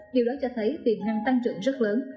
điều đó cho thấy tiềm năng tăng trưởng rất lớn